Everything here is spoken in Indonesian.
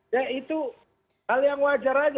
ya itu hal yang wajar saja